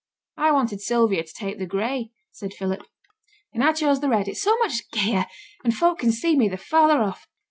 'I wanted Sylvia to take the gray,' said Philip. 'And I chose the red; it's so much gayer, and folk can see me the farther off.